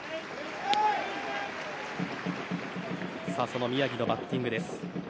その宮城のバッティングです。